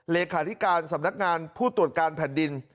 เลขาธิการสำนักงานผู้ตรวจการแผ่นดิน